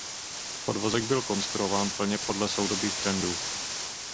Podvozek byl konstruován plně podle soudobých trendů.